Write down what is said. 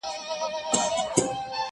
• خو ذهن نه هېرېږي هېڅکله تل,